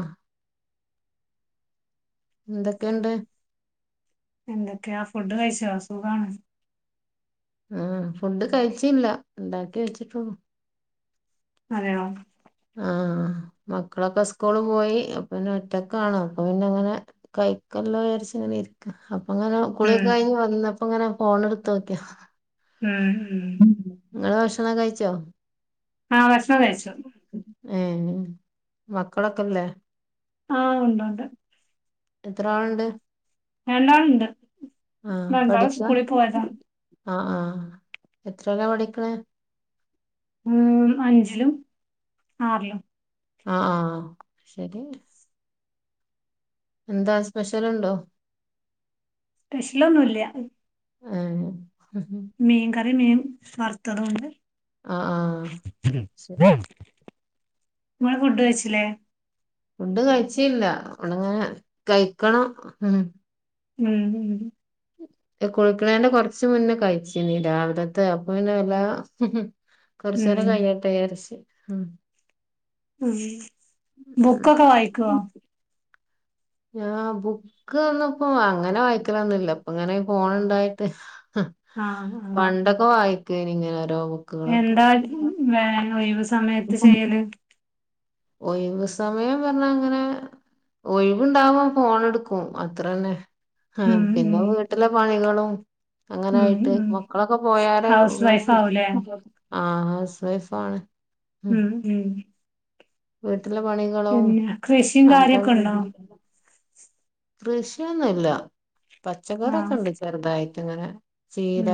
ആഹ് ന്തൊക്കെണ്ട്? എന്തൊക്കെയാ ഫുഡ്കഴിച്ചോ സുഖാണോ അ ഫുഡ് കഴിച്ചീല്ലാ ണ്ടാക്കിവെച്ചിട്ടൊള്ളു അതെയോ ആ മക്കളൊക്കെ സ്കൂള് പോയി അപ്പനിഒറ്റക്കാണോ അപ്പൊ പിന്നങ്ങനെ കൈക്കല്ലോവിചാരിച്ച് രിക്കാ അപ്പങ്ങനെ കുള്യൊക്കെ ഉം കഴിഞ് വന്നപ്പങ്ങനെ ഫോണട്ത്ത്നോക്ക മ് മ് ഭക്ഷണക്കെകയ്ച്ചോ ആഹ് ഭക്ഷണംകഴിച്ചു. ഏ മക്കളൊക്കെല്ലേ ആ ഉണ്ട്ണ്ട്. എത്രാളുണ്ട്? രണ്ടാള്ണ്ട്. അ പഠിക്കാ അ അ എത്രേലാ പഠിക്കിണെ ഉംമ് അഞ്ചിലും ആറിലും അ അ ശരി എന്താ സ്പെഷ്യലുണ്ടോ? സ്പെഷ്യലൊന്നുല്ല ആ മീൻ കറി മീൻ വർത്തതൂണ്ട്. അ അ ശരി ങ്ങള് ഫുഡ് കഴിച്ചിലേ ഫുഡ് കഴിച്ചീല്ല്യാ ഒണങ്ങനെ കയ്ക്കണം ഉംമ് ഉം കുളിക്കണേന്റെ കൊറച്ച്മുന്നേ കഴിച്ചീന്ന് രാവിലെത്തെ അപ്പപിന്നെ വല്ലാതെ ഉം കൊറച്ചേരംകയ്ഞ്ഞിട്ടേ ഉം ഉം ഉം ബുക്കൊക്കെ വായിക്കോ ഞാ ബുക്ക് ഒന്നുപ്പോ അങ്ങനെ വായ്ക്കലൊന്നൂല്ലപ്പൊഇങ്ങനെ ഫോണ് ണ്ടായിട്ട് അ ആ പണ്ടൊക്കെവായിക്കേനി ഇങ്ങനെ ഓരോ ബുക്കുകളൊക്കെ എന്താലും ഒഴിവ് സമയത്ത് ചെയ്യല് ഒയ്വ് സമയംപറഞ്ഞാങ്ങനെ ഒഴിവ്ണ്ടാവുമ്പം ഫോണ് ട്ക്കും അത്ര തന്നെ അ ഉം പിന്നെ ഉം വീട്ടിലെപണികളും ഉം അങ്ങനായിട്ട് ഉം മക്കളൊക്കെ പോയാരെവ് ഹൗസ് ഇങ്ങനെ വൈഫ് ആവൂലേ ആ... ഹൗസ് വൈഫാണ് ഉം. ഉം. വീട്ടിലെ പണികളും പിന്നെ കൃഷിയും അഞ്ചാ കാര്യൊക്കെ ഉണ്ടോ കൃഷിയൊന്നുല്ല പച്ചക്കറൊക്കെ ആഹ് ണ്ട് ചെറുതായിട്ട്ങ്ങനെ ഉം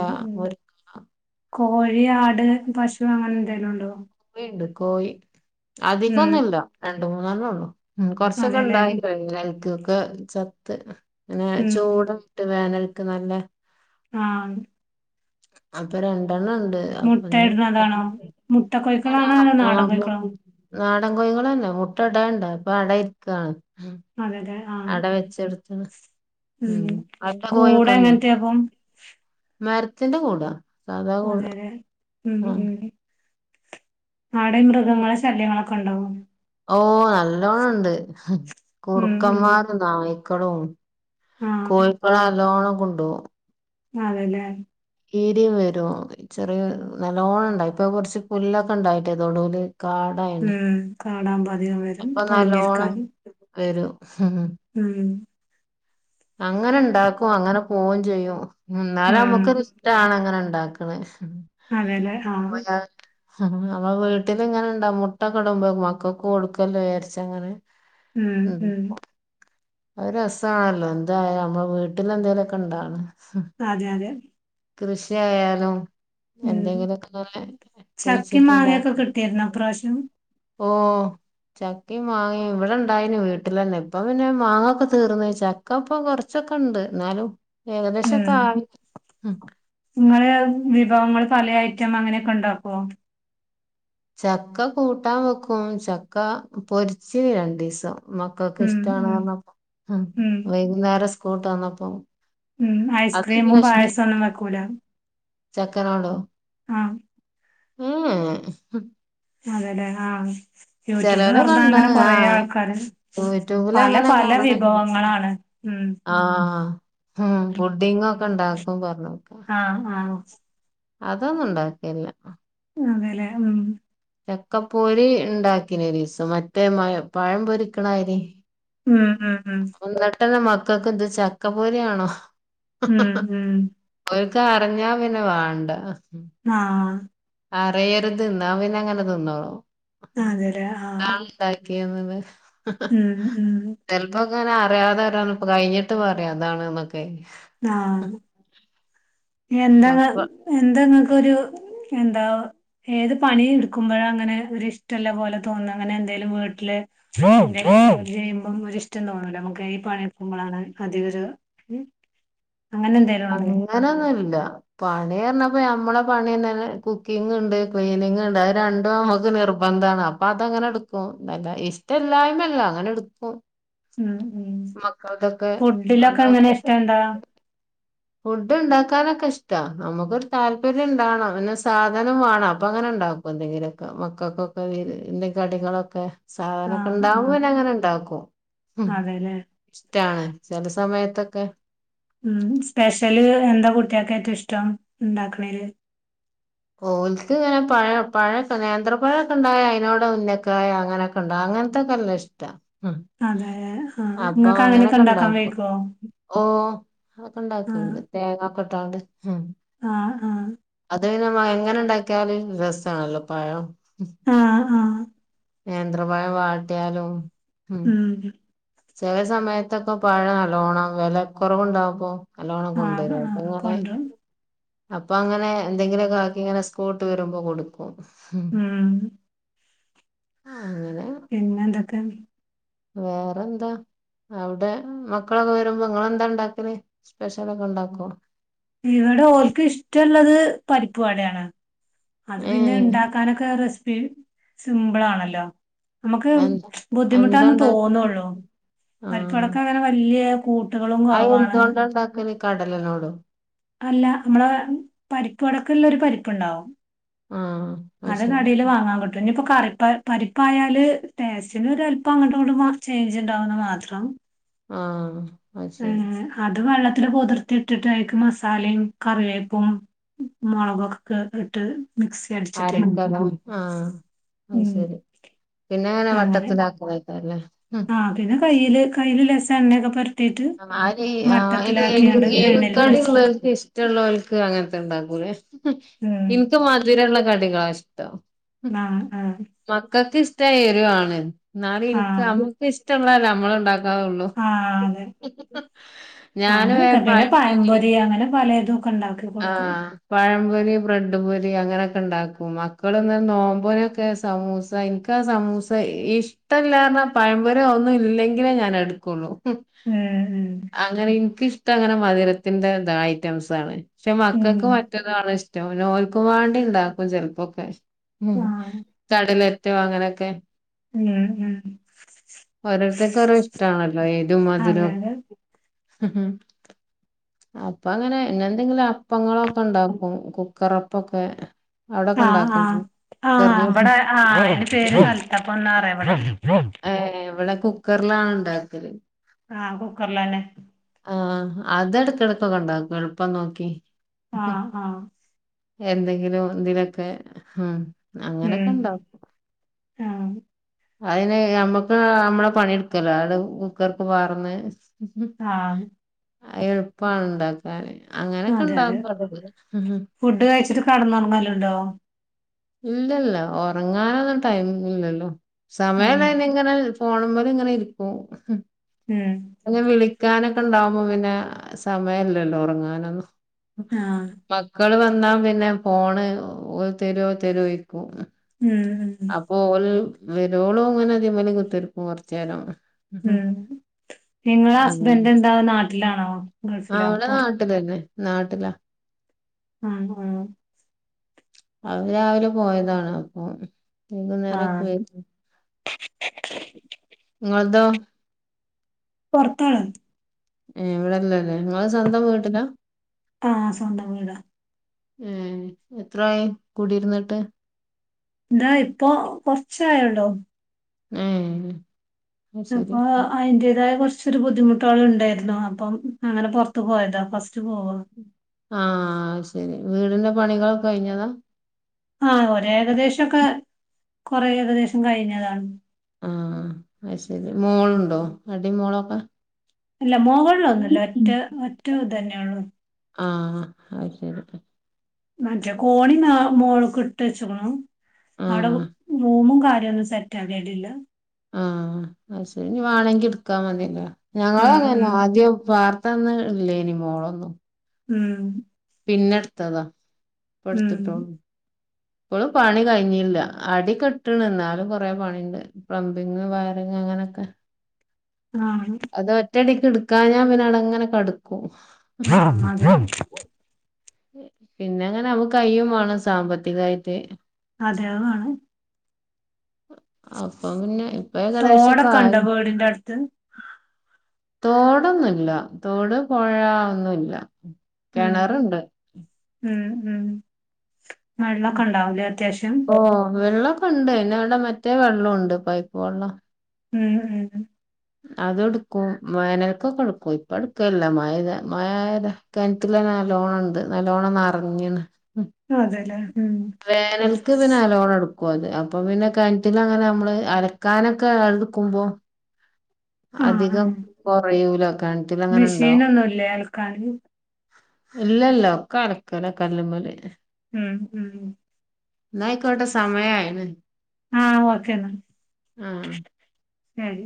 കോഴി ആട് പശു അങ്ങനെ എന്തെലും ണ്ടോ എടുക്കോയി ഉം അധികൊന്നുല്ല രണ്ടു മൂന്നെണ്ണണം ള്ളു ഉ കൊറച്ചൊക്കെ അതെല്ലേ ഉണ്ടായി കഴ അക്ക്ക്കെ ചത്ത് അങ്ങനെ ഉം ചൂട ഇട്ട് വേനൽക്ക് നല്ല ആ അപ്പറം [unintelligible] പണ്ട് അപ്പൊ മുട്ട ഇടുന്നതാണോ മുട്ട കോഴിക്കളാണോ അതോ നാടൻ കോഴിക്കളോ [unintelligible] നാടൻ കോഴികള തല്ലെ മുട്ട ഇടണ്ട അപ്പൊ അടരിക്കണ് അത അതെ ആഹ ഉം അവിടെ കോഴിയൊക്കെ ഉണ്ടോ കൂടെങ്ങനത്തെയപ്പം മരത്തിന്റെ കൂടാ സാധാ കൂട അതെല്ലേ ഉം ഉം നടെ മൃഗങ്ങള ശല്യങ്ങളൊക്കെ ഉണ്ടാവോ ഓ നല്ലോണം ണ്ട് ഉം ഉം കുറുക്കന്മാരും നായ്ക്കളും കോഴിക്കള അലോണം കൊണ്ടോകു അ അതെല്ലേ കീടി വരൊ ചെറിയ നല്ലോണം ഉണ്ടാവ ഇപ്പൊ കുറച്ച് പുല്ലൊക്കെ ഉണ്ടായിട്ടേതോടുടി കാടായിണ് ഉം കാടാവുമ്പോ അധികം വരും അപ്പൊ ന ലോണം ഒളിഞ്ഞിരിക്കാന് ഉം അങ്ങനെ ഇണ്ടാക്കും അങ്ങനെ പോവും ചെയ്യും എന്നാല ഉം നമ്മുക്ക് ഇഷ്ടാണ് അങ്ങനെ ഉണ്ടാക്ക്ണേ അതെല്ലേ ആ ആ നമ്മടെ വീട്ടിലിങ്ങനെ ഇണ്ടാ മുട്ടക്കെടുമ്പോ മക്കക്ക് കൊടുക്കല്ലോ വിചാരിച്ചങ്ങനെ ഉം ഉം ഒരു രസണല്ലോ എന്തായ നമ്മ വീട്ടിൽ എന്തേലുമൊക്കെ ഇണ്ടാണ് അതെ അതെ കൃഷിയാലും ഉം എന്തെങ്കിലുമൊക്കെ നല്ല ചക്കിം കുഴിച്ചിട്ടുണ്ടു മാങ്ങയൊക്കെ കിട്ടിയിരുന്നോ ഇപ്രാവശ്യം ഓ ചക്കി മാങ്ങ ഇവിടെ ഇണ്ടായിന് വീട്ടിലന്നെ ഇപ്പ പിന്നെ മാങ്ങൊക്കെ തീർന്ന് ചക്ക ഇപ്പൊ കൊറച്ചൊക്കെണ്ട് എന്നാലും ഏകദേശൊക്കെ ഉം ആയി ങ്ങെ വിഭവങ്ങൾ പല ഐറ്റം അങ്ങനെയൊക്കെ ഉണ്ടാക്കോ ചക്ക കൂട്ടാൻ വെക്കും ചക്ക പൊരിച്ചിന് രണ്ടിസം മക്കക്ക് ഉം ഇഷ്ടണ് ഉം പറഞ്ഞപ്പം ഉം വൈകുന്നേരം സ്കൂട്ടന്നപ്പം ഉം ഐസ്ക്രീമും പായസം ഒന്നും വെക്കൂല ചക്കറാണോ [unintelligible] അ ഉ ഊ അതെല്ലെ അ യൂട്യൂബ് ചെലോരെ പറഞ്ഞാ കണ്ട അങ്ങനെ കൊറെേ ആഹ് ആൾക്കാരെ പല പല വിഭവങ്ങളാണ് ഉം ആ ഉം ബുഡിങ്ങ്ങോക്കെ ഇണ്ടാക്കുപൊ അ അ അതൊന്നു ഉണ്ടാകെല്ല്യ അതല്ലെ ഉം ചക്ക പൊരി ഉണ്ടാക്കിന ഒരിസം മറ്റേ മഴ പഴം പൊരിക്കണായിരി ഉ ഉ ഉ പെട്ടെന്ന മക്കക്ക് എന്ത് ചക്കപൊരിണോ ഉം ഉം ഇത അറിഞ്ഞാ പിന്നെ വാണ്ട ആ അറിയരുത് എന്നാ പിന്നെ അങ്ങനെ തിന്നോളോ അതെല്ലേ ആഹ് [unintelligible] ഉം ഉം ചെലപ്പോക്കെ അങ്ങനെ അറിയാതെ വരാന്ന്പ്പ കയിഞ്ഞിട്ട് പറയും അതാണ് എന്നൊക്കെ എന്താണ് എന്തെങ്ങക്കൊരു എന്താ ഏത് പണി എടുക്കുമ്പോഴ അങ്ങനെ ഒരു ഇഷ്ടോല്ല പോലെ തോന്നുന്ന അങ്ങനെ എന്തെലും വീട്ടില് ജോലി ചെയ്യുമ്പോ ഒരിഷ്ടം തോന്നൂലെ നമുക്ക് ഈ പണിക്കുമ്പോളാണ് അധിലൊരു ഉം അങ്ങനെ എന്തേലും ഉണ്ടോ അങ്ങനൊന്നുല്ല പണി പറഞ്ഞപ്പ ഞമ്മളെ പണിന്നെ കുക്കിങ് ഉണ്ട് ക്ലീനിങ് ഉണ്ട് അത് രണ്ടും നമ്മുക്ക് നിർ നിർബന്ധാണ് അപ്പൊ അതങ്ങനെ എടുക്കും ഇഷ്ട്ടില്ലായ്മല്ല അങ്ങനെ എടുക്കും ഉം ഉം മക്കൾതൊക്കെ ഫുഡിലൊക്കെ എങ്ങനെ നമ്മള് ഇഷ്ടണ്ട ഫുഡ് ഉണ്ടാക്കാനൊക്കെ ഇഷ്ടാ നമുക്കൊരു താല്പര്യം ഉണ്ടാവണം പിന്നെ സാധനം വേണം അപ്പൊ അങ്ങനെ ഉണ്ടാക്കും എന്തെങ്കിലുമൊക്കെ മക്കക്കൊക്കെ എന്തെ കടികളോക്കെ സാധനൊക്കെ ആഹ് ഇണ്ടാവുമ്പോ ആഹ് പിന്നെ അങ്ങനെ ഇണ്ടാക്കും ഉം അതെല്ലേ ട്ടാണ് ചില സമയത്തൊക്കെ ഉം സ്പെഷ്യല് എന്താ കുട്ടിയക്ക് ഏറ്റവും ഇഷ്ടം ഉണ്ടാക്കണെല് ഓള്ക്ക് ഇങ്ങനെ പഴം പഴ നേന്ത്ര പഴൊക്കെ ഉണ്ടായ അയിനോടെ ഉന്നക്കായ അങ്ങനൊക്കൊണ്ട് അങ്ങനത്തെക്കെല്ലാ ഇഷ്ട ഉം അതെ ആഹ് അപ്പൊ ഇങ്ങക്ക് അങ്ങനെയൊക്കെ അങ്ങനൊക്കെ ഉണ്ടാക്കാൻ ഉണ്ടാക്കും വൈക്കോ ഉം അതൊക്കെ ആഹ് ഉണ്ടാക്കുണ്ട് തേങ്ങോക്കിട്ടാണ്ട് ഉം ആഹ് ആഹ് നമ്മൾ എങ്ങനെ ഉണ്ടാക്കിയലും രസവാണല്ലോ പഴം ആഹ് ആഹ് നേന്ത്രപ്പഴം വാട്ടിയാലും ഉം ചില സമയത്തൊക്കെ പഴം നല്ലോണം വില കുറവുണ്ടാപ്പോ നല്ലോണം ആഹ് കൊണ്ടുവരും ആഹ് അപ്പങ്ങിനെ കൊണ്ടരും അപ്പൊ അങ്ങനെ എന്തെങ്കിലുമൊക്കെ ആക്കി ഇങ്ങനെ സ്കൂളിട്ട് വരുമ്പോ കൊടുക്കും ഉം അങ്ങനെ പിന്നെ എന്തൊക്കെയുണ്ട് വേറെന്താ അവിടെ മക്കളൊക്കെ വരുമ്പോ നിങ്ങളെന്താ ഇണ്ടാക്കല് സ്പെഷ്യല് ഒക്കെ ഉണ്ടാക്കുവോ പരിപ്പുവടയാണ് അത് പിന്നെ ഏഹ് ഉണ്ടാക്കാനൊക്കെ റെസിപ്പി സിമ്പിളാണല്ലോ നമുക്ക് എന്താ ബുദ്ധിമുട്ടന്ന് എന്താണ്ടാക്കല് തോന്നുള്ളൂ പരിപ്പടോക്കെ അങ്ങനെ വല്യ കൂട്ടുകളും അയ് കുറവാണ് എന്തുകൊണ്ട ഉണ്ടാക്കല് കടലനോടോ അല്ല നമ്മള പരിപ്പുവടക്കുള്ള ഒരു പരിപ്പുണ്ടാവും ആഹ് അത് ശരി കടെൽ വാങ്ങാൻ കിട്ടും ഇനിപ്പോ കറി പ പരി പ്പായാല് ടേസ്റ്റിന് ഒല്പ്പം അങ്ങോട്ടും ഇങ്ങട്ടും ചേഞ്ച് ഉണ്ടാവുന്ന് മാത്രം ആഹ് അത് ശരി ഉം അതും വെള്ള കുതിർത്തിട്ടിട്ട് അയിക്ക് മസാലയും കറിവേപ്പും മുളകൊക്കെ ഇട്ട് മിക്സി അടിച്ചിട്ട് [unintelligible] ആഹ് അത് ഉം ശരി പിന്നെ എങ്ങനെ അങ്ങനെ വട്ടത്തിലാക്കൊ ആഹ് പിന്നെ കൈയില് കൈയില് ലേശം എണ്ണയൊക്കെ പൊരാ ആരെ എണ്ണേല് പൊരിച്ചെടുക്ക ഇഷ്ടമുള്ളവർക്ക് അങ്ങനത്തെ ഉണ്ടാക്കൂലേ ഉം എനിക്ക് മധുരവുള്ള കടികളാ ഇഷ്ടം ആഹ് ആഹ് മക്കൾക്ക് ഇഷ് ട എരിവാണ് എന്നാല് എനിക്ക് ആഹ് നമ്മുക്ക് ഇഷ്ട്ടോള്ളല്ലേ നമ്മള് ഉണ്ടാക്കാറുള്ളു അങ്ങനെക്കെ പിന്നെ പയംപൊരി അങ്ങനെ പലതുവോക്കെ ഉണ്ട ആ പഴംപൊരി ബ്രെഡ് പൊരി അങ്ങനെ ണ്ടാക്കും മക്കളന്ന നോമ്പിനൊക്കെ സമൂസ എനിക്ക് ആ സമൂസ ഇഷ്ടല്ല പഴംപൊരി ഒന്നു ഇല്ലെങ്കിലേ ഞാൻ എടുക്കുള്ളൂ ഉം അങ്ങനെ ഇനിക്കിഷ്ടം അങ്ങനെ മധുരത്തിന്റെതാ ഐറ്റംസ് ആണ് പക്ഷെ ഉം മക്കൾക്ക് ഉം മറ്റതാണ് ഇഷ്ടം നോല്ക്കും വേണ്ടി ഉണ്ടാക്കും ചിലപ്പോക്കെ ഉ ആഹ് കടലറ്റോ അങ്ങനെയൊക്കെ ഉം ഉം ഇതക്കെറോ ഇഷ്ടാണല്ലോ ഏരും അതെ മധുരം അതെ അപ്പ അങ്ങനെന്നെ എന്തെങ്കിലും അപ്പങ്ങളൊക്കെ ഉണ്ടാക്കും കുക്കറപ്പൊക്കെ അവിടൊക്കെ ഉണ്ടാക്കണ്ടണ്ട് ആ ഇവിടെ ആ അതിന്റെ പേര് കലത്തപ്പം ന്നാ പറയാ ഇവിടെ ഏഹ് ഇവിടെ കുക്കറിലാണ് ഉണ്ടാക്കല് ആ കുക്കറിലാണ് ആ അത് എടക്ക എടക്കൊക്കെ ഉണ്ടാക്കും എളുപ്പം നോക്കി ആ ആ എന്തെങ്കിലും എന്തിലൊക്കെ ഉം അങ്ങനൊക്കെ ഉം ഉണ്ടും ആഹ് അതിന് നമ്മക്ക് നമ്മളെ പണിയെടുക്കല്ലോ അടെ കുക്കർക്ക് പാർന്ന് ആഹ് എളുപ്പമാണ് ഉണ്ടാക്കാൻ അങ്ങനൊക്കെ അതെ അതെ ഉണ്ടാവും അതല്ല ഫുഡ് കഴിച്ചിട്ട് കടന്നുറങ്ങലുണ്ടോ ഇല്ലല്ല ഉറങ്ങാനൊന്നും ടൈം ഇല്ലല്ലോ ഉം സമയം ഇങ്ങനെ പോണ്മ്ല് ഇങ്ങനെ ഇരിക്കും ഉം അ വിളിക്കാനോ ണ്ടുമ്പോ പിന്നെ സമയല്ലല്ലോ ഉറങ്ങ നെന്നും ആഹ് മക്കള് ന്നാ പിന്നെ ഫോണ് തരോ തരോ ചോ അ ഉം ഉം അപ്പൊ ഒൽ വെരോളും ഇങ്ങനെ അതേപേലെ കുത്തിരുക്കും കുറച്ചുേരം ഹും നിങ്ങളെ അങ്ങനെ ഹസ്ബൻഡ് ഉണ്ടോ നാട്ടി നാട്ടിലാ ആ അവര് രാവി ആഹ് വൈകുന്നേരൊക്കെ ഇങ്ങള്തോ പുറത്താണ് ഏ ഇവിടെല്ലല്ലേ നിങ്ങൾ സ്വന്തം വീട്ടിലാ ആ സ്വന്തം വീടാ ഏ എത്രായി കൂടിയിരുന്നിട്ട് ഇതാ ഇപ്പൊ കൊറച്ചായെള്ളൂ ഉം അപ്പൊ അയിന്റേതായ കുറച്ച് കുറച്ചൊരു ബുദ്ധിമുട്ടുകൾ ഉണ്ടായിരുന്നു അപ്പം അങ്ങനെ പുറത്ത് പോയതാ ഫസ്റ്റ് പോ ആ അയ് ശരി വീടിന്റെ പണികളൊക്കെ കഴിഞ്ഞതാ ആ ഒരേ ഏകദേശക്കെ കൊറെ ഏകദേശം കഴിഞ്ഞതാണ് ആ അയ് ശരി മോള്ണ്ടോ അടിമോളൊക്കെ അല്ല മോഹളൊന്നുല്ല ഒറ്റ ഒറ്റ ഇ തന്നെയള്ളൂ ആ അയ് ശരി മറ്റേ കോണി മോള്ക്ക് ഇട്ട് വെച്ചേക്കണു ആ അവിടെ റൂമും കാ [unintelligible] സെറ്റ് ആകിടില്ല ആ അയ് ശരി ഇഞ് വേണമെങ്കി ഇ ടുക്കാമതില്ല ഞങ്ങളും അങ്ങനെ ഉം ആദ്യം പ്പ അന്ന് ഇല്ലേയ്നി മോളൊന്നും ഉം പിന്നെടുത്തതാ ഇടുത്തിട്ടോ ഉം ഇപ്പോൾ പണി കഴിഞ്ഞില്ല അട കെട്ടണ് എന്നാലും കൊറെേ പണിയുണ്ട് പ്ലംമ്പിങ്ങ് വയറിങ് അങ്ങനൊക്കെ ആഹ അത് ഒറ്റടിക്ക് എടുക്കാ ഞാൻ പിന്നെ അടങ്ങനെ കടക്കും. ആഹ ആ പിന്നെ അങ്ങനെ നമ്മുക്ക് കയ്യും വേണം സാമ്പത്തികമായിട്ട്. അതെ അതാണ് അപ്പൊ പിന്നെ ഇപ്പ ഏകദേശംക്കെ തോടൊക്കെ ഉണ്ടോ ആയി വീടിന്റെ അടുത്ത് തോടൊന്നില്ല തോട് പോഴൊന്നല്ല ഉം കിണറുണ്ട് ഉം ഉം വൈള്ളൊക്കെ ഉണ്ടാവലേ അത്യാവശ്യം. ഉണ്ട് പിന്നെ ഇവിടെ മറ്റേ വെള്ളംണ്ട് പൈപ്പ് വെള്ളം. ഉം ഉം അതെടുക്കും വേനൽക്കൊക്കെ എടുക്കും. ഇപ്പ എടുക്കല്ല മഴ മഴ കിണറ്റ നല്ലോണണ്ട് നല്ലോണംന്ന നിറഞ്ഞണ് ഉ അതെല്ലേ ഉം വേനൽക്ക് പിന്നെ അലോണടും അത് അപ്പൊ പിന്നെ കിണറ്റില അങ്ങനെ നമ്മള് അലക്കാനൊക്കെ എടുക്കുമ്പോ ആഹ് അധികം ആഹ് കുറയൂല കണുറ്റൽ അങ്ങനെ ഇണ്ടാ മെഷീനൊന്നുല്ലേ അലക്കാന് ഇല്ലല്ല ഒക്ക അലക്കല കല്ലമ്മല് ഹം ഉം ന ഹൈക്കോട്ടോ സമയ ആഹ ഓക്കെന ശരി